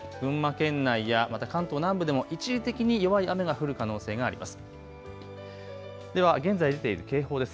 群馬県内やまた関東南部でも一時的に弱い雨が降る可能性があります。